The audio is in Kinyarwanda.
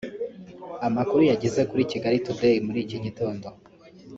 Amakuru yageze kuri Kigali Today muri iki gitondo